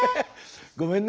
ごめんね。